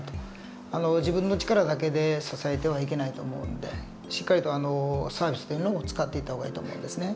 自分の力だけで支えてはいけないと思うんでしっかりとサービスというのも使っていった方がいいと思うんですね。